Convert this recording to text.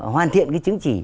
hoàn thiện cái chứng chỉ